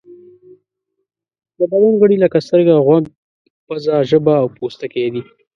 د بدن غړي لکه سترګه، غوږ، پزه، ژبه او پوستکی دي.